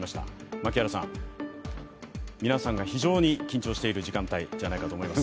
槙原さん、皆さんが非常に緊張している時間帯じゃないかと思います。